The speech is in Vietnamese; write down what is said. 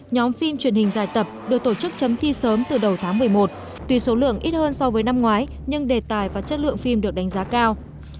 nhóm phim truyền hình dài tập được tổ chức chấm thi sớm từ đầu tháng một mươi một tuy số lượng ít hơn so với năm ngoái nhưng đề tài và chất lượng phim được đánh giá cao